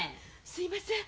すいません。